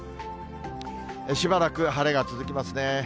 しばらく晴れが続きますね。